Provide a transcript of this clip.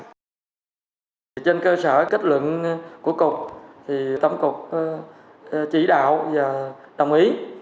trên cơ sở kết luận của cục tổng cục chỉ đạo và đồng ý